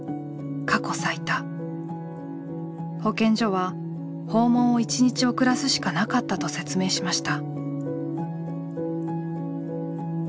保健所は訪問を１日遅らすしかなかったと説明しました。